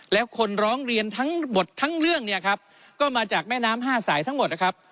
แล้วคนร้องเรียนทั้งหมดทั้งเรื่องเนี่ยครับก็มาจากแม่น้ำห้าสายทั้งหมดนะครับ